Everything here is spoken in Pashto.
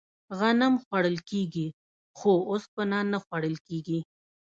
غنم خوړل کیږي خو اوسپنه نه خوړل کیږي.